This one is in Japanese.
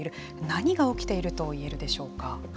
何が起きていると言えるでしょうか。